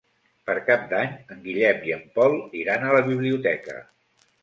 Per Cap d'Any en Guillem i en Pol iran a la biblioteca.